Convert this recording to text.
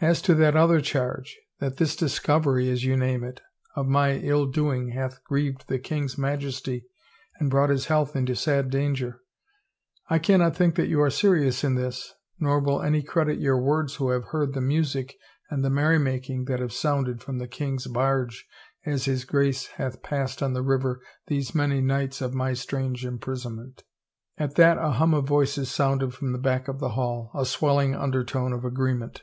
And as to that other charge, that this discovery, as you name it, of my ill doing hath grieved the king's Majesty and brought his health into sad danger, I cannot think that you are seri ous in this nor will any credit your words who have heard the music and the merrymaking that have sounded from the king's barge as his Grace hath passed on the river these many nights of my strange imprisonment." At that a hum of voices sounded from the back of 359 THE FAVOR OF KINGS the hall, a swelling undertone of agreement.